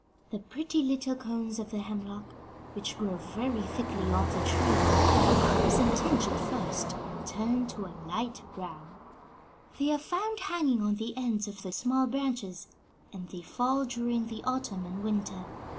"The pretty little cones of the hemlock, which grow very thickly on the tree, have a crimson tinge at first, and turn to a light brown. They are found hanging on the ends of the small branches, and they fall during the autumn and winter.